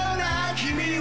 君は